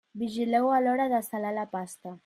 Vigileu a l'hora de salar la pasta.